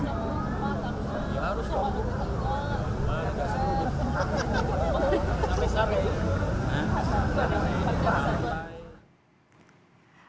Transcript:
pemilihan suara hasil pemilu dua ribu dua puluh empat